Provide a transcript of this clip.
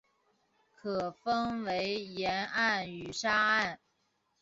可分为岩岸与沙岸。